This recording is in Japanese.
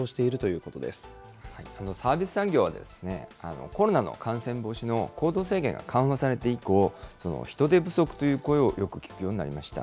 このサービス産業は、コロナの感染防止の行動制限が緩和されて以降、人手不足という声をよく聞くようになりました。